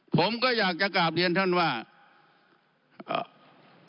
ผมก็อยากจะกลับเรียนท่านว่าเอ่อ